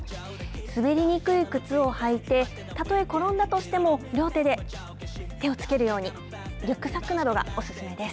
滑りにくい靴を履いて、たとえ転んだとしても、両手で手をつけるように、リュックサックなどがお勧めです。